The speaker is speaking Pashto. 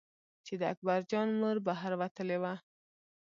چې د اکبر جان مور بهر وتلې وه.